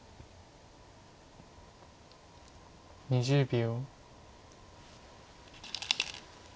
２０秒。